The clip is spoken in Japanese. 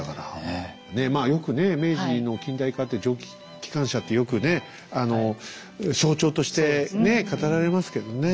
まあよくね明治の近代化って蒸気機関車ってよくね象徴として語られますけどね